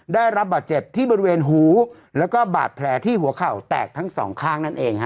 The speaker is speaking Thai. ได้รับบาดเจ็บที่บริเวณหูแล้วก็บาดแผลที่หัวเข่าแตกทั้งสองข้างนั่นเองฮะ